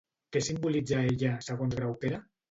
Què simbolitza ella, segons Graupera?